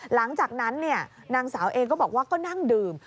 หลังจากนั้นนางสาวเองก็บอกว่าก็นั่งดื่ม